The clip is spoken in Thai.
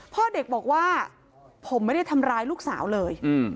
พ่อเด็กบอกว่าผมไม่ได้ทำร้ายลูกสาวเลย